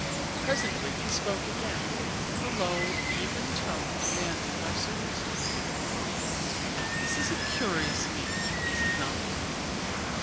Presently he spoke again, in the low, even tone demanded by circumstances. "This is a curious meeting, is it not?